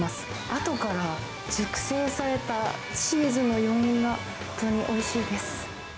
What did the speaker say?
あとから熟成されたチーズの余韻が、本当においしいです。